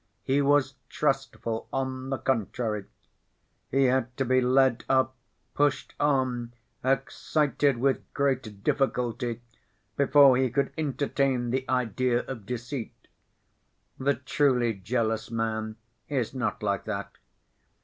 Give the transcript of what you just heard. He was trustful, on the contrary. He had to be led up, pushed on, excited with great difficulty before he could entertain the idea of deceit. The truly jealous man is not like that.